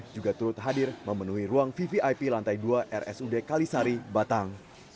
juga turut hadir memenuhi ruang vvip lantai dua rsud kalisari batang